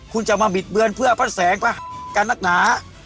คุณจะมาบิดเบือนเพื่อพระแสงป่ะกันนักหนา